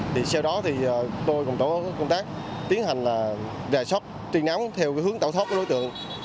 thì sau đó tôi cùng tổ công tác tiến hành rè sót truy nắm theo hướng tạo thóp của đối tượng